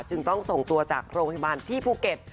จึงต้องส่งตัวจากโรงพยาบาลที่ภูเก็ต